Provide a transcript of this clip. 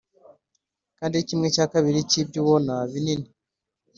kandi kimwe cya kabiri cyibyo ubona ni bibi